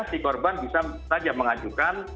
si korban bisa saja mengajukan